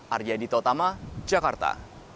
arya dito tama jakarta